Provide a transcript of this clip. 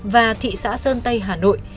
và thị xã sơn tây hà nội